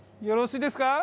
よろしいですか？